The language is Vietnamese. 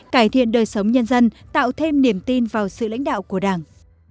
cải thiện đời sống nhân dân tạo thêm niềm tin vào sự lãnh đạo của đảng